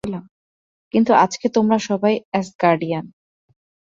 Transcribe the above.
কিন্তু আজকে তোমরা সবাই অ্যাসগার্ডিয়ান।